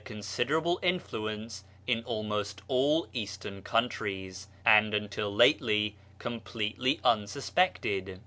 148 BAHAISM considerable influence in almost all Eastern countries, and, until lately, completely unsuspected.